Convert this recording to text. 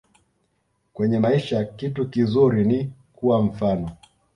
Kwenye maisha kitu kizuri ni kuwa mfano